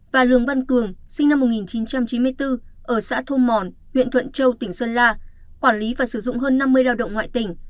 và lường văn cường sinh năm một nghìn chín trăm chín mươi bốn ở xã thu mòn huyện thuận châu tỉnh sơn la quản lý và sử dụng hơn năm mươi lao động ngoại tỉnh